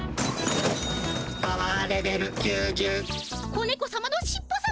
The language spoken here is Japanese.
子ねこさまのしっぽさま。